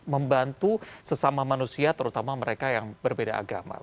membantu sesama manusia terutama mereka yang berbeda agama